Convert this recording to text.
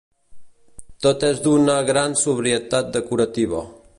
Tot és d'una gran sobrietat decorativa.